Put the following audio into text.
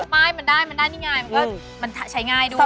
ไม่มันได้มันได้นี่ง่ายมันก็มันใช้ง่ายด้วย